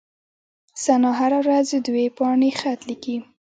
ثنا هره ورځ دوې پاڼي خط ليکي.